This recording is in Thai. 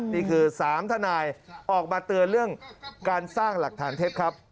นี่คือ๓ทนายออกมาเตือนเรื่องการสร้างหลักฐานเท็จครับ